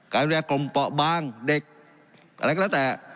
การแดกกลุ่มป่อบางเด็กอะไรก็แล้วแต่